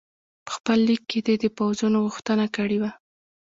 په خپل لیک کې دې د پوځونو غوښتنه کړې وه.